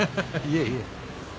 いえいえ。